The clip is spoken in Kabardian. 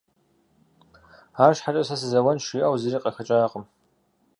АрщхьэкӀэ, сэ сызэуэнщ жиӀэу зыри къахэкӀакъым.